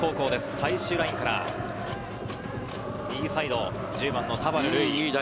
最終ラインから右サイド、１０番の田原瑠衣。